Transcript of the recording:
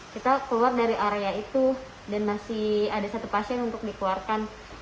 kita keluar dari area itu dan masih ada satu pasien untuk dikeluarkan